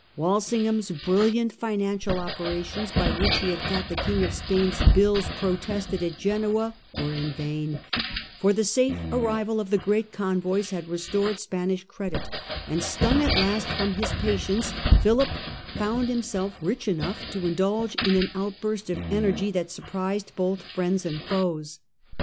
Walsingham's brilliant financial operations by which he had got the King of Spain's bills protested at Genoa were in vain, for the safe arrival of the great convoys had restored Spanish credit, and stung at last from his patience Philip found himself rich enough to indulge in an outburst of energy that surprised both friends and foes.